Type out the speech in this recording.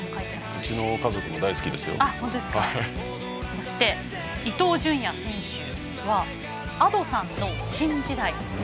そして、伊東純也選手はＡｄｏさんの「新時代」。